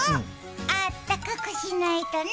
あったかくしないとね！